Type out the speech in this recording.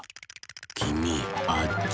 きみあっち。